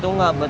itu nggak betul